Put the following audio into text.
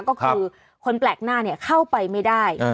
ก็คือคนแปลกหน้าเข้าไปไม่ได้